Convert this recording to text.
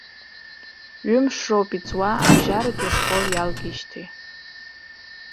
Ҩымш роуп иҵуа абжьаратәи ашкол иалгеижьҭеи.